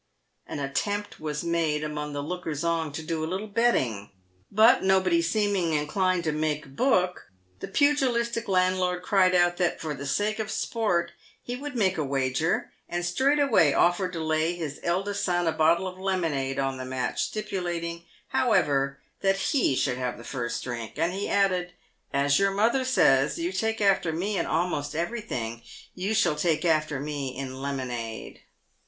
An attempt was made among the lookers on to do a little betting, but nobody seeming inclined to " make a book," the pugilistic land lord cried out that, for the sake of sport, he would make a wager, and straightway offered to lay his eldest son a bottle of lemonade on the match, stipulating, however, that he should have first drink ; and he added, "As your mother says you take after me in a' most every thing, you shall take after me in lemonade.